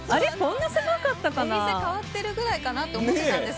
お店変わってるぐらいかなと思ってたんですよ。